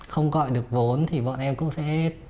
không gọi được vốn thì bọn em cũng sẽ